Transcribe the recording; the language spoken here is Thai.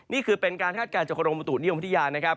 นี่คือเป็นการคาดการณ์จากโครงประตูนี้ของพฤติญาณนะครับ